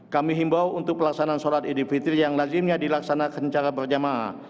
kami himbau untuk pelaksanaan sholat idul fitri yang lazimnya dilaksanakan secara berjamaah